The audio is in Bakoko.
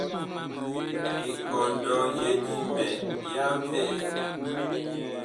Ekɔndɔ ye Dimɛ ya vɛɛ.